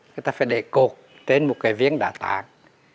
người ta phải để cột trên một cái viếng đà tạng